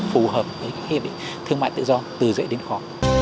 phù hợp với hiệp định thương mại tự do từ dễ đến khó